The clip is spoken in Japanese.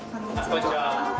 こんにちは。